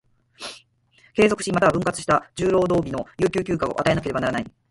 継続し、又は分割した十労働日の有給休暇を与えなければならない。